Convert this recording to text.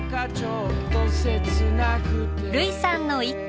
類さんの一句。